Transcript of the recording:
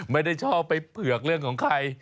ไม่ได้ชอบไปเผือกเรื่องของใคร